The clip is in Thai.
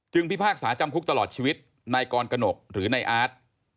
พิพากษาจำคุกตลอดชีวิตนายกรกนกหรือนายอาร์ต